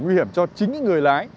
nguy hiểm cho chính người lái